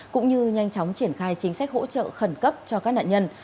cũng như nhanh chóng triển khai chính sách hỗ trợ khẩn cấp cho các nạn nhân